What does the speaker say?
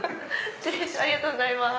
ありがとうございます。